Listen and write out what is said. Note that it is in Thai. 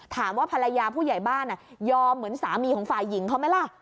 ถามว่าภรรยาผู้ใหญ่บ้านยอมเหมือนสามีของฝ่ายหญิงเขาไหมล่ะ